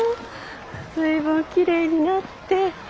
随分きれいになって。